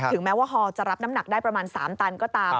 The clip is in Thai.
แม้ว่าฮอลจะรับน้ำหนักได้ประมาณ๓ตันก็ตาม